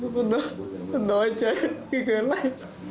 มันอนอยใจ